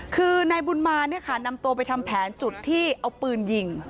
คือนายบุญมาเนี่ยค่ะนำตัวไปทำแผนจุดที่เอาปืนยิง